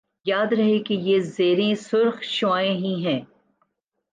یاد رہے کہ یہ زیریں سرخ شعاعیں ہی ہیں